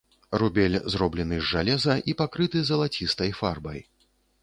Рубель зроблены з жалеза і пакрыты залацістай фарбай.